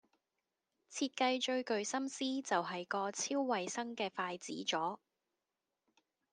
設計最具心思就係個超衛生嘅筷子座